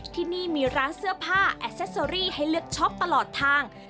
ที่นี่มีร้านเสื้อผ้าแอสเซสเตอรี่ให้เลือกช็อปตลอดทาง